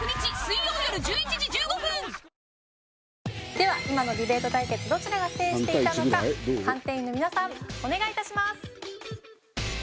では今のディベート対決どちらが制していたのか判定員の皆さんお願い致します。